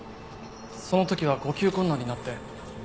その時は呼吸困難になって。